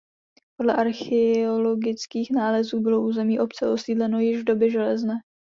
Podle archeologických nálezů bylo území obce osídleno již v době železné.